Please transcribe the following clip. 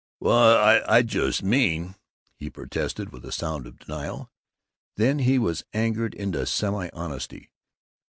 "Well, I just mean " he protested, with a sound of denial. Then he was angered into semi honesty.